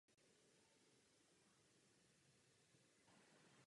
Obec se nachází ve střední části Burgenlandu.